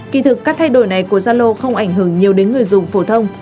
thị thực các thay đổi này của zalo không ảnh hưởng nhiều đến người dùng phổ thông